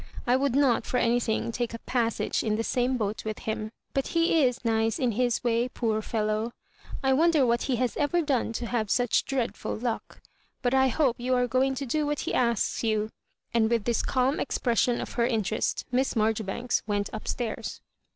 I would not for any thing take a passage in the same boat with him, but he is nice in his way, poor fellow I I won der what he has ever done to have such dreadful luck — but I hope you are going to do what he asks you:" and with this calm expression of her interest Miss Marjoribanks went up stairs.